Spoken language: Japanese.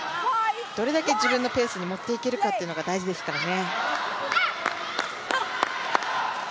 どれだけ自分のペースに持っていけるかというのが大事ですからね。